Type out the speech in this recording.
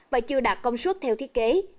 và chưa đạt công suất theo thiết kế